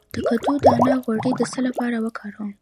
د کدو دانه غوړي د څه لپاره وکاروم؟